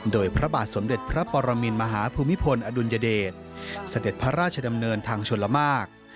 โดยพระบาทสมเด็จพระปรมินมหาภูมิพลอดุลยเดชเสด็จพระราชดำเนินทางชนละมาก